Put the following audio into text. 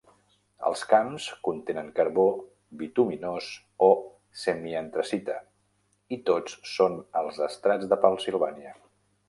Els camps contenen carbó bituminós o semi-antracita, i tots són als estrats de Pennsilvània.